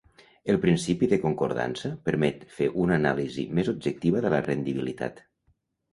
El principi de concordança permet fer una anàlisi més objectiva de la rendibilitat.